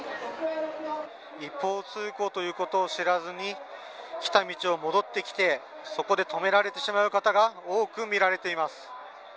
一方通行ということを知らずに来た道を戻ってきてそこで止められてしまう方が多く見られています。